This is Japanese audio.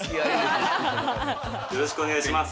よろしくお願いします。